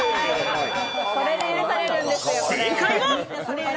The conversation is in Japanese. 正解は。